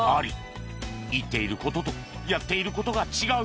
言っている事とやっている事が違う！